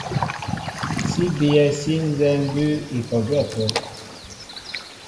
Sí bíyɛ́ sí nzɛ́ɛ́ mbʉ́ʉ́ i kɔ gwɛ́ ápə́.